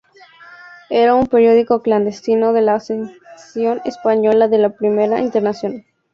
Era un periódico clandestino de la sección española de la Primera Internacional.